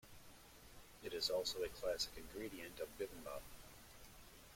It is also a classic ingredient of bibimbap.